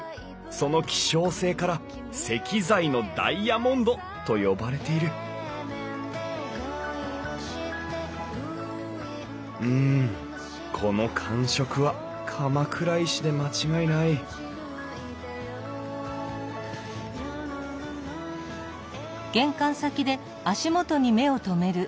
その希少性から「石材のダイヤモンド」と呼ばれているうんこの感触は鎌倉石で間違いないうん？